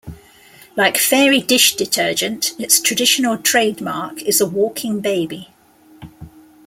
Like Fairy dish detergent, its traditional trademark is a walking baby.